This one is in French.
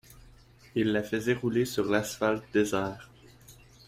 ils la faisaient rouler sur l’asphalte désert